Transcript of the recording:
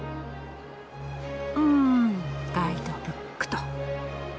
うんガイドブックと。